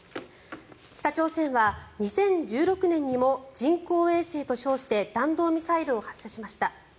北朝鮮は２０１６年にも人工衛星と称して弾道ミサイルを発射しました。